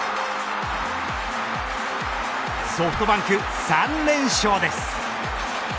ソフトバンク３連勝です。